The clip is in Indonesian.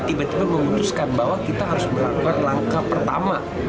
tiba tiba memutuskan bahwa kita harus melakukan langkah pertama